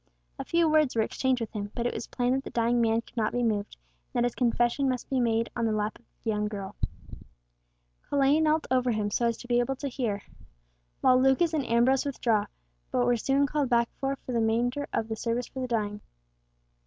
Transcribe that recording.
A few words were exchanged with him, but it was plain that the dying man could not be moved, and that his confession must he made on the lap of the young girl. Colet knelt over him so as to be able to hear, while Lucas and Ambrose withdraw, but were soon called back for the remainder of the service for the dying.